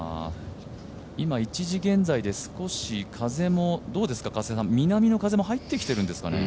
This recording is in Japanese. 今、１時現在で少し風もどうですか、南の風も入ってきてるんですかね？